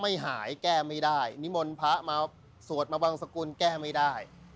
ไม่หายแก้ไม่ได้นิมนต์พระมาสวดมาบังสกุลแก้ไม่ได้